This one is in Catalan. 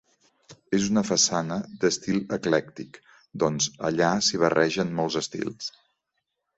És una façana d'estil eclèctic doncs, allà s'hi barregen molts estils.